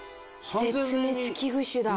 絶滅危惧種。